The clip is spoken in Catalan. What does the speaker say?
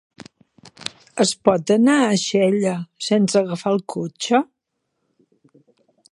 Es pot anar a Xella sense agafar el cotxe?